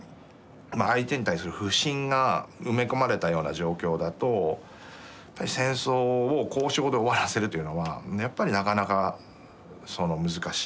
相手に対する不信が埋め込まれたような状況だと戦争を交渉で終わらせるというのはやっぱりなかなか難しい。